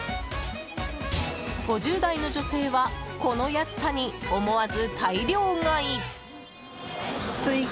５０代の女性はこの安さに思わず大量買い。